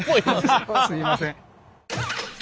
すいません。